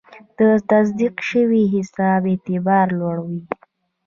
د تصدیق شوي حساب اعتبار لوړ وي.